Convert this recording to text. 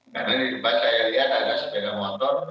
karena di depan saya lihat ada sepeda motor